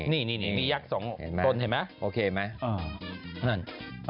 นี่มียักษ์สองตนเห็นไหมโอเคไหม